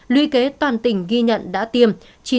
luy kế toàn tỉnh ghi nhận đã tiêm chín trăm bốn mươi hai